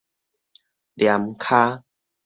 躡足